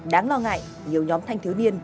đáng lo ngại nhiều nhóm thanh thiếu niên